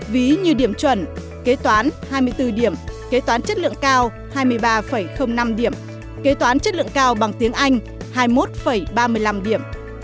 ví như điểm chuẩn kế toán hai mươi bốn điểm kế toán chất lượng cao hai mươi ba năm điểm kế toán chất lượng cao bằng tiếng anh hai mươi một ba mươi năm điểm